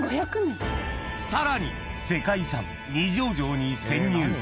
更に、世界遺産・二条城に潜入。